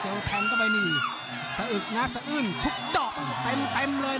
แทงเข้าไปนี่สะอึกนะสะอื้นทุกดอกเต็มเลย